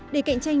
để cạnh tranh